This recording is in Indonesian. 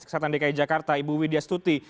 kesehatan dki jakarta ibu widya stuti